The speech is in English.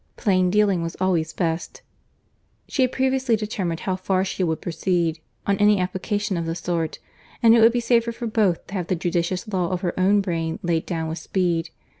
Plain dealing was always best. She had previously determined how far she would proceed, on any application of the sort; and it would be safer for both, to have the judicious law of her own brain laid down with speed.